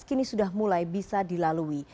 kini sudah mulai bisa dilalui